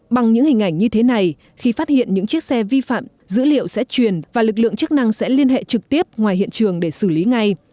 bằng những hình ảnh như thế này khi phát hiện những chiếc xe vi phạm dữ liệu sẽ truyền và lực lượng chức năng sẽ liên hệ trực tiếp ngoài hiện trường để xử lý ngay